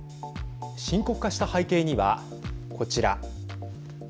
深刻化した背景には、こちら。